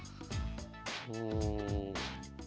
うん。